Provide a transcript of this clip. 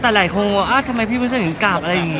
แต่หลายคนพูดว่าทำไมพี่มึงจะเห็นการกลับ